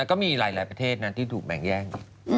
ก็มีหลายประเทศนะที่ถูกแบ่งแยก